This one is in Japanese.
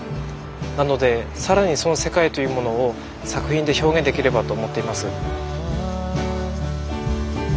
なので更にその世界というものを作品で表現できればと思っています。